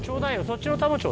そっちの。